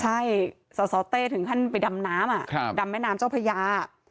ใช่สสเต้ถึงขั้นไปดำน้ำดำแม่น้ำเจ้าพระยา